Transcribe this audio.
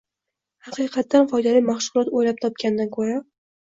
Haqiqatdan foydali mashg‘ulot o‘ylab topgandan ko‘ra